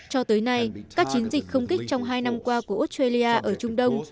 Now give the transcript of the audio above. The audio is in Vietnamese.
cho tới nay các chiến dịch không kích trong hai năm qua của australia ở trung đông